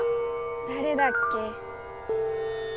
だれだっけ？